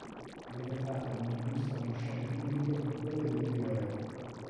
Le vetrate non illustrano scene bibliche come quelle del Medioevo.